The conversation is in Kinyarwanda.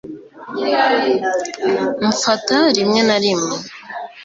mfata rimwe na rimwe